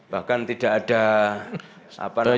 bahkan tidak ada apa namanya